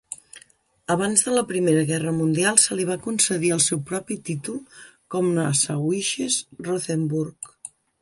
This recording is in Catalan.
Abans de la Primera Guerra Mundial, se li va concedir el seu propi títol com "Nassauisches Rothenburg".